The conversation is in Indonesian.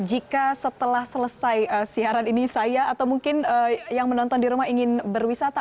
jika setelah selesai siaran ini saya atau mungkin yang menonton di rumah ingin berwisata